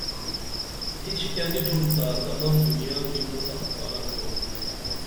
ہِچکیہ نی تُھمتا تمم دنیا کی موں اخکارہ کُرُپ